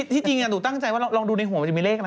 ที่จริงหนูตั้งใจว่าลองดูในหัวมันจะมีเลขอะไร